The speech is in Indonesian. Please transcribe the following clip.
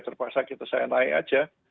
terpaksa kita saya naik aja